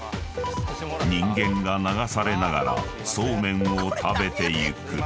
［人間が流されながらそうめんを食べてゆく］